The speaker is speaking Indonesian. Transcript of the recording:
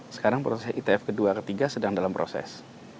sekarang proses itf kedua ketiga sedang dalam proses